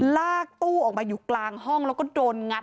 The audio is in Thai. ลากตู้ออกมาอยู่กลางห้องแล้วก็โดนงัด